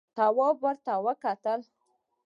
تواب ور وکتل.